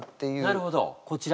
なるほどこちらの。